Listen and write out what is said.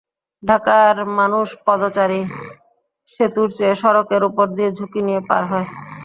ঢাকার মানুষ পদচারী-সেতুর চেয়ে সড়কের ওপর দিয়ে ঝুঁকি নিয়ে পার হয়।